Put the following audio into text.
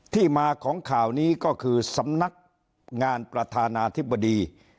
ที่มาของข่าวนี้ก็คือสำนักงานประธานาธิบดี